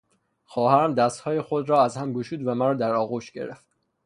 خواهرم دستهای خود را از هم گشود و مرا در آغوش گرفت.